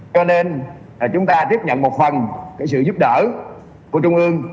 cho nên là chúng ta tiếp nhận một phần cái sự giúp đỡ của trung ương